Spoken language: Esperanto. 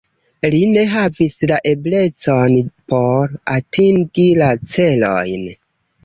Li ne havis la eblecon por atingi la celojn.